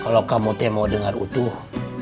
kalau kamu temo dengar utuh